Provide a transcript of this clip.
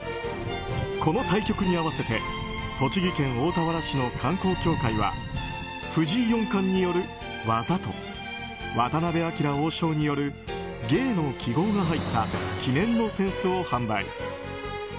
この対局に合わせて栃木県大田原市の観光協会は藤井四冠による「技」と渡辺明王将による「芸」の揮毫が入った記念の扇子を販売。